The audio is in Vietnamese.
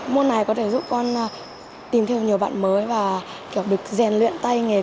môn này có thể giúp con tìm theo nhiều bạn mới và kiểu được rèn luyện tay nghề